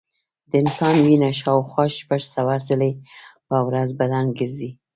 د انسان وینه شاوخوا شپږ سوه ځلې په ورځ بدن ګرځي.